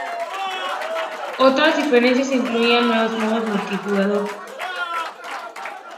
Otras diferencias incluirían nuevos modos multijugador, como Heli Hunt.